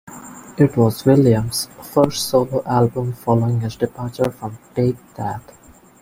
It was Williams' first solo album following his departure from Take That.